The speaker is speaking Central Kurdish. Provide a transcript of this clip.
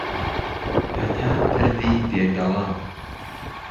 ههتا پردی دێگهڵه